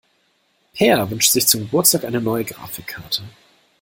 Peer wünscht sich zum Geburtstag eine neue Grafikkarte.